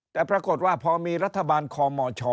แต่ปรากฏว่าพอมีรัฐบาลคอมช